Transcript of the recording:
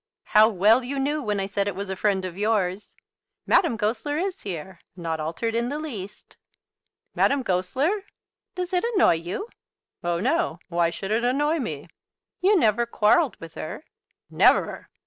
"How well you knew when I said it was a friend of yours. Madame Goesler is here, not altered in the least." "Madame Goesler!" "Does it annoy you?" "Oh, no. Why should it annoy me?" "You never quarrelled with her?" "Never!"